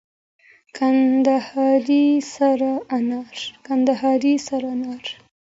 کندهاري سره انار.